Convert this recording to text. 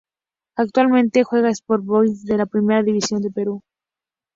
Actualmente juega Sport Boys de la Primera División del Perú.